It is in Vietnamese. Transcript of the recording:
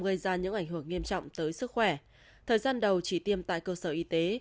gây ra những ảnh hưởng nghiêm trọng tới sức khỏe thời gian đầu chỉ tiêm tại cơ sở y tế